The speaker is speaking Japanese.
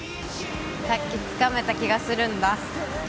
さっきつかめた気がするんだ